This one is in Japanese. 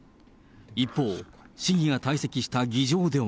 一方、市議が退席した議場では。